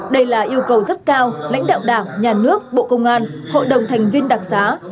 đây là yêu cầu rất cao lãnh đạo đảng nhà nước bộ công an hội đồng thành viên đặc xá